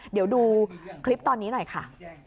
เดี๋ยวดูคลิปตอนนี้หน่อยค่ะ